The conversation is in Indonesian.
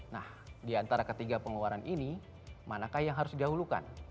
nah diantara ketiga pengeluaran ini manakah yang harus didahulukan